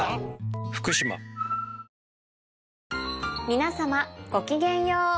皆様ごきげんよう。